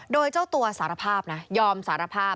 โดยเจ้าตัวสารภาพนะยอมสารภาพ